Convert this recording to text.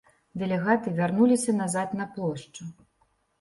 Дэлегаты вярнуліся назад на плошчу.